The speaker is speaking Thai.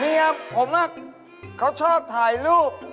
เมียผมเขาชอบถ่ายรูป